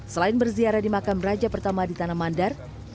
selain berziarah di makam raja pertama di tanah mandar